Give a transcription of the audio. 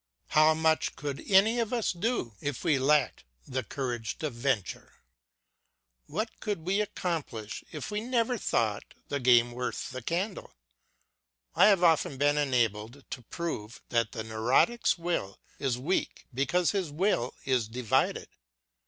How much could any of us do if we lacked the courage to venture ? What could we accomplish if we never thought the game worth the candle ? I have often been enabled to prove that the neurotic's will is weak because his will is divided.